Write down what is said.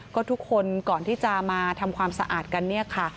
ก็ทุกคนก่อนที่จะมาทำความสะอาดกันเนี่ยค่ะ